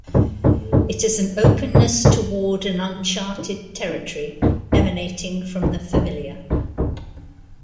It is an openness toward an uncharted territory emanating from the familiar.